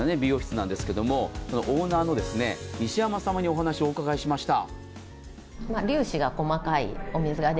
おしゃれな美容室なんですけれども、オーナーの西山様にお話を伺いました。